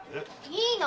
いいの！